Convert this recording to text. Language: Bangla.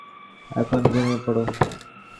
এখন ঘুমিয়ে পড়ো।